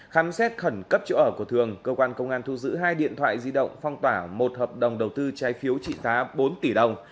khám xét khẩn cấp chỗ ở của thường cơ quan công an thu giữ hai điện thoại di động phong tỏa một hợp đồng đầu tư trái phiếu trị giá bốn tỷ đồng